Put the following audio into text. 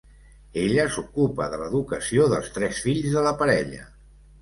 Ella s'ocupa de l'educació dels tres fills de la parella.